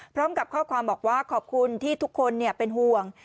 พร้อมกับข้อความบอกว่าขอบคุณที่ทุกคนเป็นห่วง